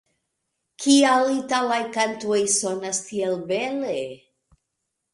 Kial italaj kantoj sonas tiel bele?